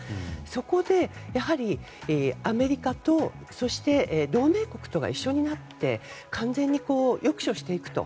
そこでアメリカと同盟国とが一緒になって完全に抑止していくと。